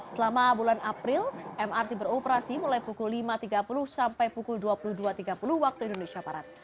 selama bulan april mrt beroperasi mulai pukul lima tiga puluh sampai pukul dua puluh dua tiga puluh waktu indonesia barat